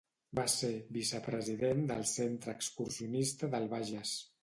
Va ser vicepresident del Centre Excursionista del Bages.